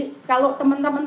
menggunakan audio kamera milik